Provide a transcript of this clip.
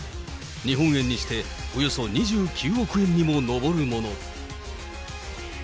日本円にしておよそ２９億円にも上るもの。